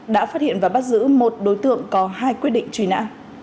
đã phát hiện và bắt giữ một đối tượng có hai quyết định truy nã